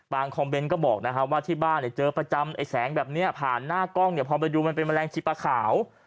บางคอมเบนต์ก็บอกว่าที่บ้านเจอประจำแสงแบบนี้ผ่านหน้ากล้องพอไปดูมันเป็นแมลงชิบปลาขาว